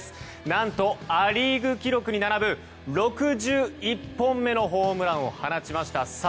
何と、ア・リーグ記録に並ぶ６１本目のホームランを放ちました。